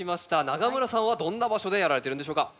永村さんはどんな場所でやられてるんでしょうか？